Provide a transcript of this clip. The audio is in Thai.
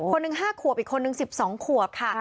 คนหนึ่ง๕ขวบอีกคนนึง๑๒ขวบค่ะ